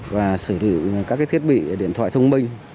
và sử dụng các thiết bị điện thoại thông minh